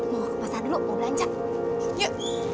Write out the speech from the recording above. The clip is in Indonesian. mau ke pasar dulu mau belanja yuk